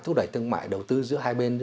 thúc đẩy thương mại đầu tư giữa hai bên